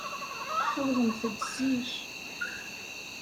Awḍemt-d zik.